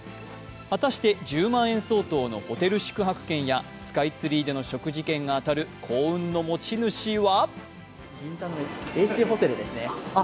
果たして１０万円相当のホテル宿泊券やスカイツリーでの食事券が当たる幸運の持ち主は？